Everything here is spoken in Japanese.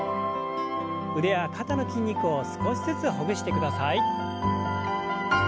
腕や肩の筋肉を少しずつほぐしてください。